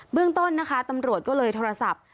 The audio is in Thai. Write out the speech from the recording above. เรื่องต้นนะคะตำรวจก็เลยโทรศัพท์